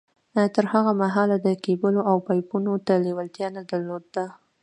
تر هغه مهاله ده کېبلو او پایپونو ته لېوالتیا نه در لوده